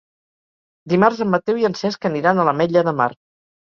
Dimarts en Mateu i en Cesc aniran a l'Ametlla de Mar.